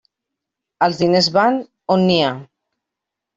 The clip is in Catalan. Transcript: Els diners van on n'hi ha.